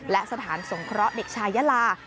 และสถานสงเคราะห์เด็กชายะลา